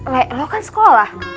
leh lo kan sekolah